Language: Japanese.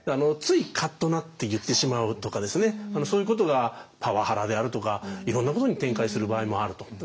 ついカッとなって言ってしまうとかそういうことがパワハラであるとかいろんなことに展開する場合もあると。